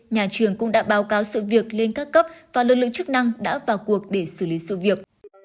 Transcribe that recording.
nhà trường cũng đã báo cáo sự việc lên các cấp và lực lượng chức năng đã vào cuộc để xử lý sự việc